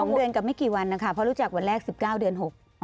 ๒เดือนกับไม่กี่วันนะคะเพราะรู้จักวันแรก๑๙เดือน๖